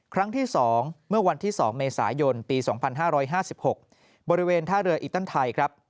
ครั้งที่๒เมื่อวันที่๒เมษายนปี๒๕๕๖บริเวณท่าเรืออิตันไทยครับ